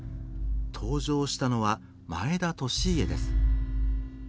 登場したのは前田利家です。